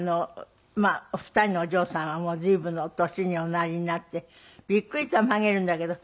お二人のお嬢さんはもう随分の年におなりになってびっくりたまげるんだけど。